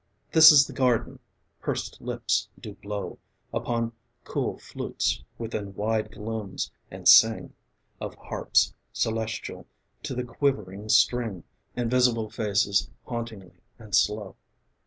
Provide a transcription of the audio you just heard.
This is the garden: pursed lips do blow Upon cool flutes within wide glooms, and sing, Of harps celestial to the quivering string, Invisible faces hauntingly and slow.